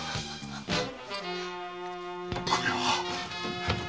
これは！？